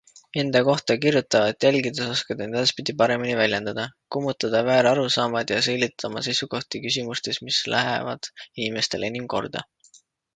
Enda kohta kirjutatavat jälgides oskad end edaspidi paremini väljendada, kummutada väärarusaamad ja selgitada oma seisukohti küsimustes, mis lähevad inimestele enim korda.